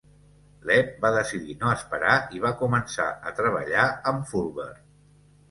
Leeb va decidir no esperar i va començar a treballar amb Fulber.